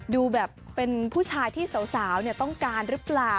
ดูแบบเป็นผู้ชายที่สาวต้องการหรือเปล่า